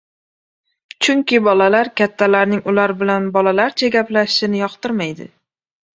Chunki bolalar kattalarning ular bilan bolalarcha gaplashishini yoqtirmaydi.